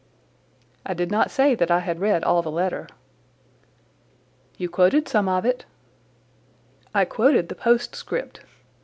"I did not say that I had read all the letter." "You quoted some of it." "I quoted the postscript.